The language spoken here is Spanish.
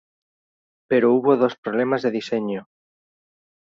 Pero hubo dos problemas de diseño.